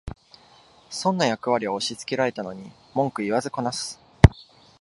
損な役割を押しつけられたのに文句言わずこなす